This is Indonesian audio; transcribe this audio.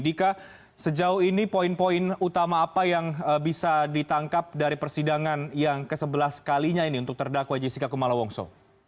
dika sejauh ini poin poin utama apa yang bisa ditangkap dari persidangan yang ke sebelas kalinya ini untuk terdakwa jessica kumala wongso